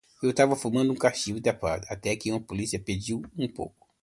Eu tava fumando um cachimbo da paz até que o polícia pediu um pouco